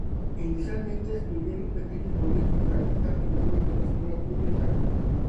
Inicialmente estudió en un pequeño colegio israelita y luego en una escuela pública.